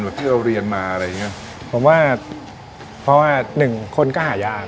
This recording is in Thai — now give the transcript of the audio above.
ที่เราเรียนมาอะไรอย่างเงี้ยผมว่าเพราะว่าหนึ่งคนก็หายาก